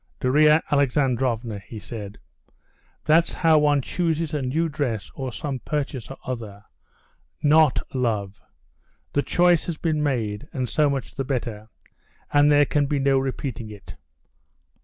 "Darya Alexandrovna," he said, "that's how one chooses a new dress or some purchase or other, not love. The choice has been made, and so much the better.... And there can be no repeating it."